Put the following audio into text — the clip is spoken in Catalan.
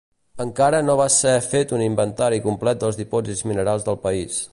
Encara no va ser fet un inventari complet dels dipòsits minerals del país.